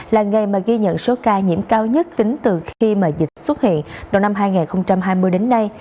là ngày mà ghi nhận số ca nhiễm cao nhất tính từ khi mà dịch xuất hiện đầu năm hai nghìn hai mươi đến nay